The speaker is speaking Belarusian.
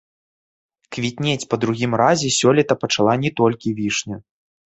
Квітнець па другім разе сёлета пачала не толькі вішня.